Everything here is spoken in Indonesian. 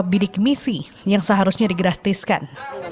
pungutan dari mahasiswa bidik misi yang seharusnya digratiskan